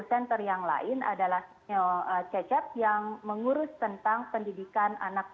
center yang lain adalah cecep yang mengurus tentang pendidikan anak